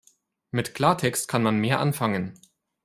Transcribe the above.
Mit Klartext kann man mehr anfangen.